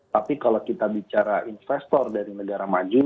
tapi kalau kita bicara investor dari negara maju